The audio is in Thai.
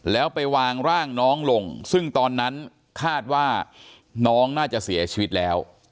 แล้วไปวางร่างน้องลงซึ่งตอนนั้นคาดว่าน้องน่าจะเสียชีวิตแล้ว